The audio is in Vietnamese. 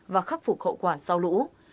và khắc phục hậu quả sau lũ